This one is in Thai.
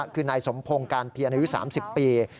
คือนายสมพงศ์การเพียรอายุ๓๐ปี